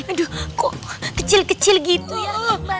aduh kok kecil kecil gitu ya